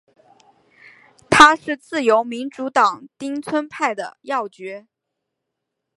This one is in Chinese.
他是自由民主党町村派的要角。